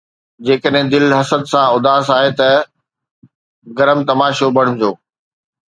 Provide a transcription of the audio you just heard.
جيڪڏهن دل حسد سان اُداس آهي ته گرم تماشو بڻجو